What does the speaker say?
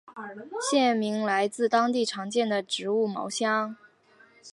县名来自当地常见的植物茅香。